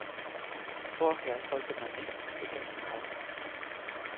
Vorher sollte man nichts gegessen haben.